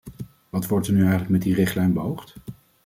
Wat wordt er nu eigenlijk met die richtlijn beoogd?